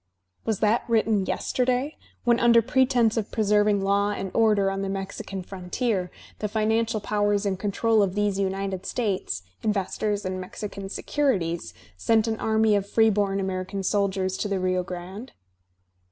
Was that written yesterday when, under pretence of preserving Digitized by Google THOREAU 179 law and order on the Mexican frontier, the financial powers in control of these United States, investors in Mexican "securities," sent an army of freebom American soldiers to the Rio Grande?